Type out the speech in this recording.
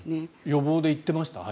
予防で行ってました？